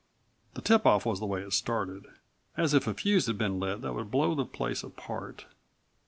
The tipoff was the way it started, as if a fuse had been lit that would blow the place apart.